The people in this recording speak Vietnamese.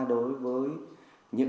đối với tình cảm